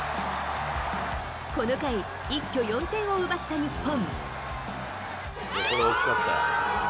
この回、一挙４点を奪った日本。